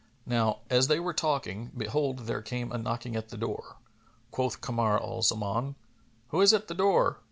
Now, as they were talking, behold, there came a knocking at the door. Quoth Kamar al Zaman, "Who is at the door?"